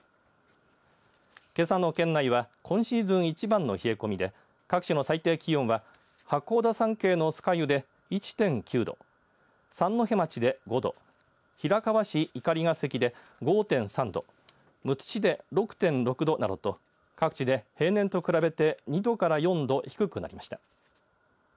けさの県内は今シーズン一番の冷え込みで各地の最低気温は八甲田山系の酸ヶ湯で１．９度三戸町で５度平川市碇ヶ関で５．３度むつ市で６．６度などと各地で平年と比べて２度から４度低くなりました。